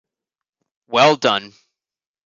Well done.